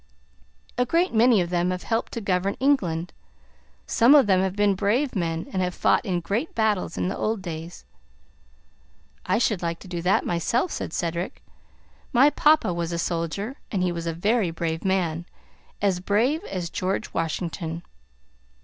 "A great many of them have helped to govern England. Some of them have been brave men and have fought in great battles in the old days." "I should like to do that myself," said Cedric. "My papa was a soldier, and he was a very brave man as brave as George Washington.